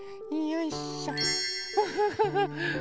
よいしょ。